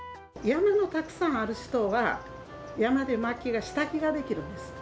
山がたくさんある人は、山でまきが、火炊きができるんです。